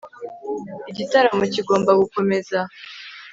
igitaramo kigomba gukomeza